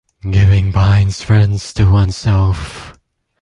Giving binds friends to oneself.